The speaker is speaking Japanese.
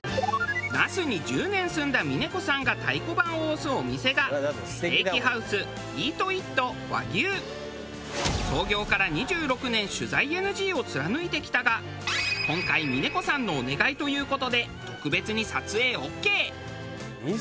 那須に１０年住んだ峰子さんが太鼓判を押すお店がステーキハウス創業から２６年取材ＮＧを貫いてきたが今回峰子さんのお願いという事で特別に撮影オーケー。